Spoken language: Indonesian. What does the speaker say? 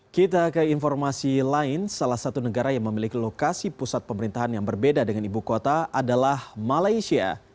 kita ke informasi lain salah satu negara yang memiliki lokasi pusat pemerintahan yang berbeda dengan ibu kota adalah malaysia